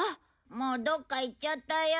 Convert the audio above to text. もうどこか行っちゃったよ。